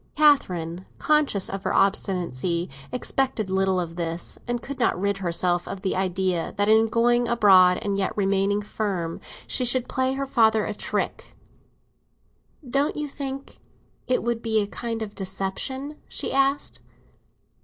Catherine, conscious of her obstinacy, expected little of this, and could not rid herself of the idea that in going abroad and yet remaining firm, she should play her father a trick. "Don't you think it would be a kind of deception?" she asked.